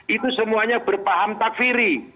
itu semuanya berpaham takfiri